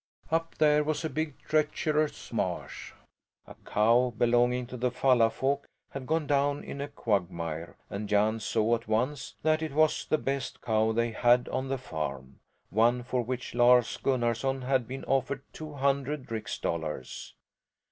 Up there was a big, treacherous marsh. A cow belonging to the Falla folk had gone down in a quagmire and Jan saw at once that it was the best cow they had on the farm, one for which Lars Gunnarson had been offered two hundred rix dollars.